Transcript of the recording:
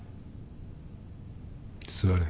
座れ。